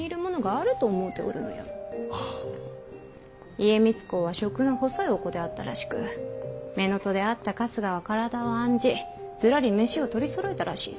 家光公は食の細いお子であったらしく乳母であった春日は体を案じずらり飯を取りそろえたらしいぞ。